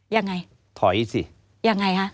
ยังไงถอยสิยังไงคะ